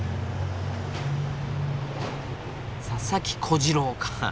「佐々木小次郎」か。